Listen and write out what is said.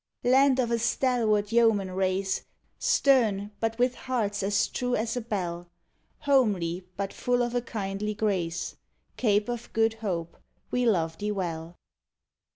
Land of a stalwart yeoman race, Stern, but with hearts as true as a bell; Homely, but full of a kindly grace, Cape of Good Hope, we love thee well.